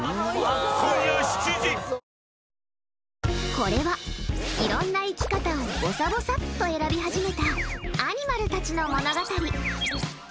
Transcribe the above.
これは、いろんな生き方をぼさぼさっと選び始めたアニマルたちの物語。